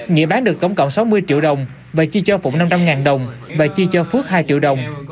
nghĩa bán được tổng cộng sáu mươi triệu đồng và chi cho phụng năm trăm linh đồng và chi cho phước hai triệu đồng